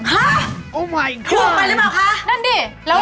โนไปแล้วคะ